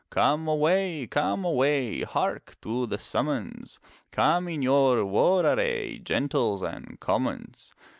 Come away, come away, Hark to the summons! Come in your war array. Gentles and commons.